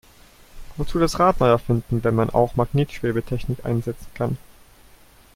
Wozu das Rad neu erfinden, wenn man auch Magnetschwebetechnik einsetzen kann?